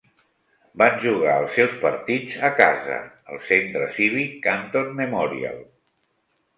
Van jugar els seus partits a casa al Centre Cívic Canton Memorial.